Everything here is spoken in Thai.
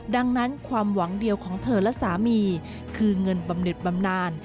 ดังนั้นความหวังเดียวของเธอและสามีคือเงินบำเน็ตบำนาน